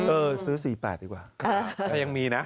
เออซื้อ๔๘ดีกว่าถ้ายังมีนะ